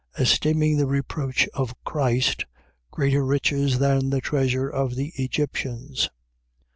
Esteeming the reproach of Christ greater riches than the treasure of the Egyptians.